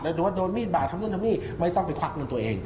แล้วดูว่าโดนมีดบาททำนี่ไม่ต้องไปควักเงินตัวเอง